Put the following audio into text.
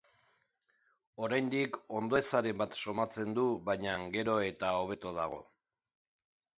Oraindik ondoezaren bat somatzen du, baina gero eta hobeto dago.